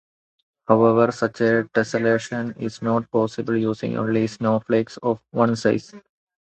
However, such a tessellation is not possible using only snowflakes of one size.